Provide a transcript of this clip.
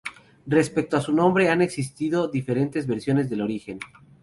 Respecto a su nombre han existido diferentes versiones del origen.